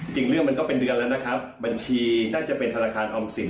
จริงเรื่องมันก็เป็นเดือนแล้วนะครับบัญชีน่าจะเป็นธนาคารออมสิน